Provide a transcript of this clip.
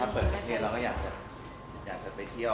ถ้าเปิดกระเทียนเราก็อยากจะไปเที่ยวอีกครับ